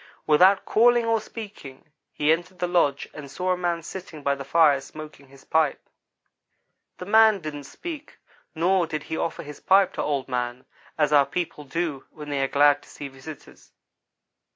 Without calling or speaking, he entered the lodge and saw a man sitting by the fire smoking his pipe. The man didn't speak, nor did he offer his pipe to Old man, as our people do when they are glad to see visitors.